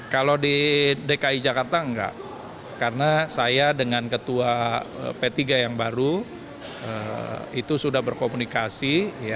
kalau di dki jakarta enggak karena saya dengan ketua p tiga yang baru itu sudah berkomunikasi